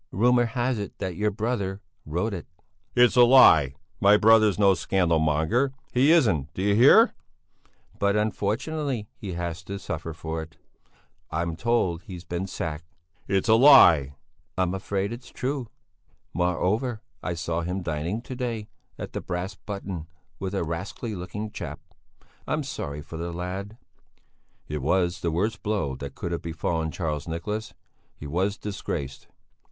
"Rumour has it that your brother wrote it." "It's a lie! My brother's no scandal monger! He isn't! D'you hear?" "But unfortunately he had to suffer for it. I'm told he's been sacked." "It's a lie!" "I'm afraid it's true. Moreover, I saw him dining to day at the 'Brass Button' with a rascally looking chap. I'm sorry for the lad." It was the worst blow that could have befallen Charles Nicholas. He was disgraced.